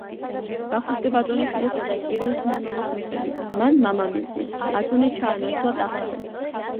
ვახუშტი ბატონიშვილისა და კირილ თუმანოვის მიხედვით, მან მამამისი, ათონი ჩაანაცვლა ტახტზე.